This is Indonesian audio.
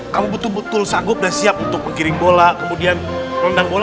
kamu betul betul sanggup dan siap untuk mengkiring bola kemudian rendang bola